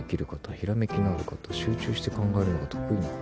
「ひらめきのある方」「集中して考えるのが得意な方」